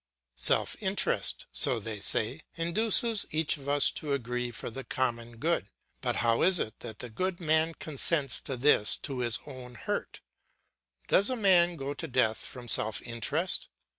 Self interest, so they say, induces each of us to agree for the common good. But how is it that the good man consents to this to his own hurt? Does a man go to death from self interest?